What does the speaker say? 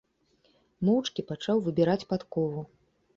Моўчкі пачаў выбіраць падкову.